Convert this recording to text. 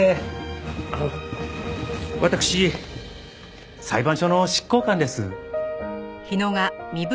あの私裁判所の執行官です。